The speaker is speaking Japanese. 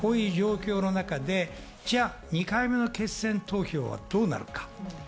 こういう状況の中で２回目の決選投票でどうなるか。